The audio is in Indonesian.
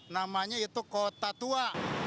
namanya itu kota tua